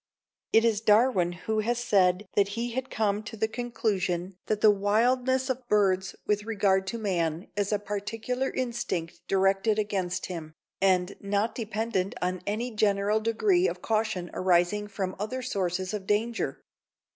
It is Darwin who has said that he had come to the conclusion that the wildness of birds with regard to man is a particular instinct directed against him, and not dependent on any general degree of caution arising from other sources of danger.